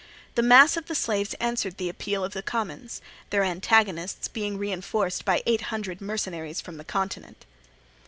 The mass of the slaves answered the appeal of the commons; their antagonists being reinforced by eight hundred mercenaries from the continent.